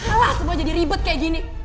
wah semua jadi ribet kayak gini